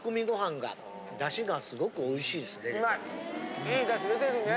いい出汁出てるね。